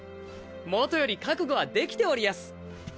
もとより覚悟はできておりやす。